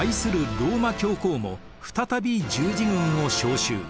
ローマ教皇も再び十字軍を招集。